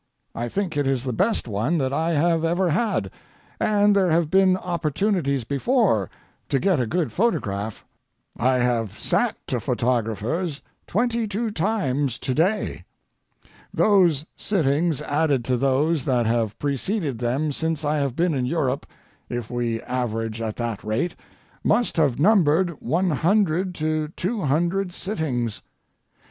I think it is the best one that I have ever had, and there have been opportunities before to get a good photograph. I have sat to photographers twenty two times to day. Those sittings added to those that have preceded them since I have been in Europe—if we average at that rate—must have numbered one hundred to two hundred sittings.